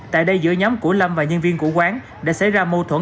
tại đây giữa nhóm của lâm và nhân viên của quán đã xảy ra mâu thuẫn